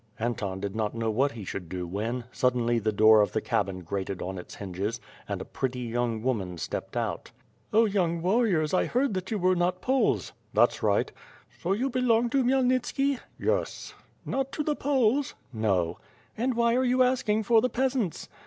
Anton did not know what he should do when, suddenly, the door of the cabin grated on its hinges, and a pretty young woman stepped out. "0 young warriors I heard that you were not Poles." "That's right." "So you belong to Khmyelnitski?" "Yes." "Not to the Poles?" "No." "And whj^ are you asking for the peasants?"